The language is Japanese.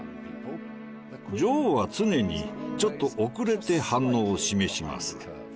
女王は常にちょっと遅れて反応を示します。